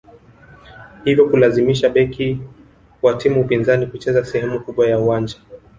hivyo kulazimisha beki wa timu pinzani kucheza sehemu kubwa ya uwanja